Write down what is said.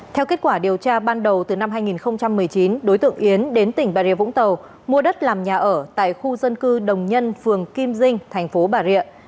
theo kết quả điều tra ban đầu từ năm hai nghìn một mươi chín đối tượng yến đến tỉnh bà rịa vũng tàu mua đất làm nhà ở tại khu dân cư đồng nhân phường kim dinh thành phố bà rịa